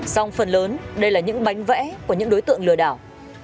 song phần lớn đây là những bánh vẽ của những đối tượng lừa đảo